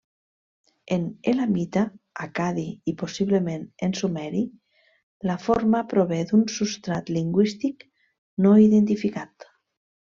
En elamita, accadi, i possiblement en sumeri, la forma prové d'un substrat lingüístic no identificat.